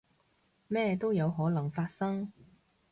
咩都有可能發生